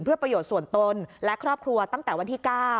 เพื่อประโยชน์ส่วนตนและครอบครัวตั้งแต่วันที่๙